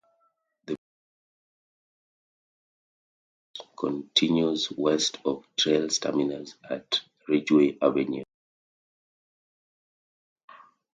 The Bloomingdale Avenue embankment continues west of the Trail's terminus at Ridgeway Avenue.